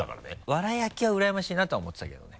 藁焼きはうらやましいなとは思ってたけどね。